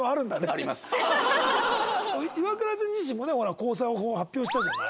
イワクラちゃん自身もね交際を発表したじゃない。